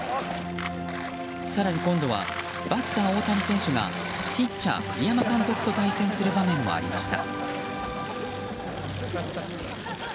更に、今度はバッター大谷選手がピッチャー栗山監督と対戦する場面もありました。